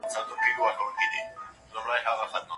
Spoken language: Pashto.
زمري پرون یو کوچنی ولیدی چي پوهني ته تلی.